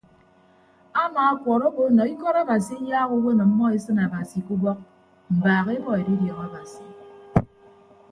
Amaakwọọrọ obo nọ ikọt abasi eyaak uwem ọmmọ esịn abasi ke ubọk mbaak ebọ edidiọñ abasi.